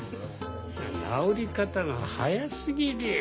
治り方が早すぎるよ。